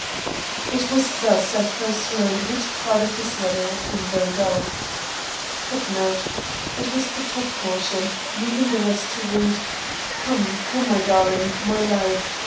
It was thus I first learned which part of this letter had been burned off. It was the top portion, leaving the rest to read: _"Come, come my darling, my life.